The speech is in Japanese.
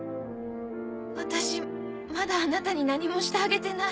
私まだあなたに何もしてあげてない。